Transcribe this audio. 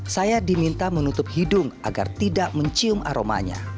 saya diminta menutup hidung agar tidak mencium aromanya